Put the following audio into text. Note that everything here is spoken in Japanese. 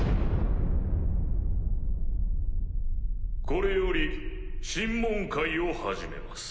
これより審問会を始めます。